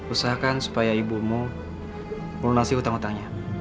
usahakan supaya ibumu menelanasi hutang hutangnya